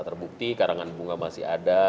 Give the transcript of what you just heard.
terbukti karangan bunga masih ada